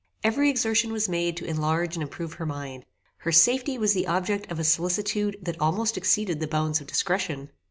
Every exertion was made to enlarge and improve her mind. Her safety was the object of a solicitude that almost exceeded the bounds of discretion.